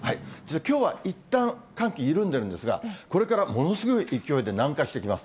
きょうはいったん、寒気緩んでるんですが、これからものすごい勢いで南下してきます。